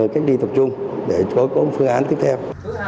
các đi tập trung để có phương án tiếp theo